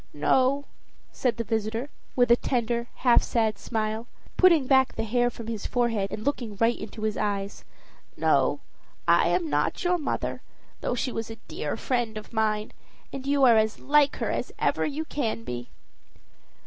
"No," said the visitor, with a tender, half sad smile, putting back the hair from his forehead, and looking right into his eyes "no, I am not your mother, though she was a dear friend of mine; and you are as like her as ever you can be."